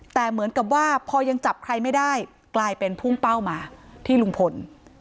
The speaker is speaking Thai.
แต่เหมือนกับว่าพอยังจับใครไม่ได้กลายเป็นพุ่งเป้ามาที่ลุงพล